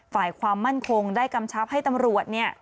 ฝ่ายความมั่นคงได้กำชับให้ตำรวจเนี่ย